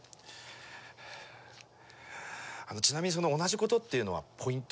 あのちなみにその「同じこと」っていうのはポイント？